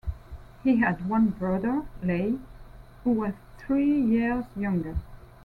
He had one brother, Leigh, who was three years younger.